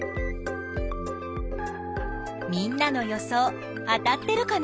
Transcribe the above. みんなの予想当たってるかな？